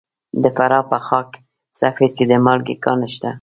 د فراه په خاک سفید کې د مالګې کان شته.